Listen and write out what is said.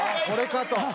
これかと。